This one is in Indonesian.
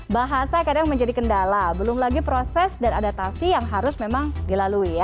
bahasa kadang menjadi kendala belum lagi proses dan adaptasi yang harus memang dilalui ya